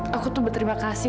aku tuh berterima kasih